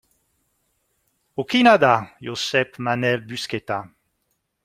Okina da Josep Manel Busqueta.